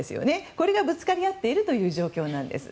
これがぶつかり合っているという状況なんです。